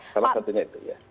salah satunya itu ya